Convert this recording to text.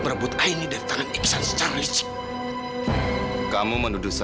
mas apa tidak cukup